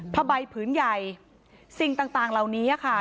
ผ้าใบผืนใหญ่สิ่งต่างเหล่านี้ค่ะ